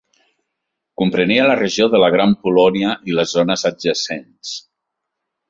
Comprenia la regió de la Gran Polònia i les zones adjacents.